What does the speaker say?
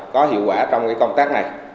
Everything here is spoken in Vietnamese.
có hiệu quả trong công tác này